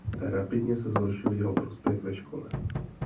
Rapidně se zhoršil jeho prospěch ve škole.